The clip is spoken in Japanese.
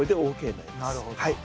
なるほど。